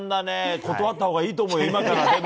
断ったほうがいいと思うよ、今からでも。